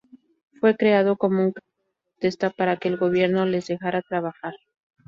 Fue creado como un canto de protesta para que el gobierno les dejara trabajar.